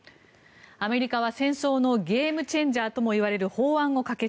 アメリカは戦争のゲームチェンジャーともいわれる法案を可決。